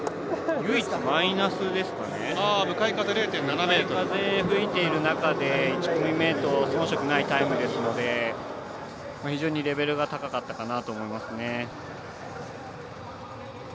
向かい風が吹いている中で１組目と遜色ないタイムですので非常にレベルが高かったかなと思います。